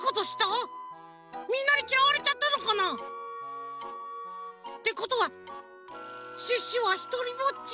みんなにきらわれちゃったのかな？ってことはシュッシュはひとりぼっち？